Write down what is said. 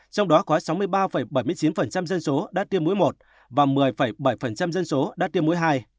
trong đó có sáu mươi ba bảy mươi chín dân số đã tiêm mũi một và một mươi bảy dân số đã tiêm mũi hai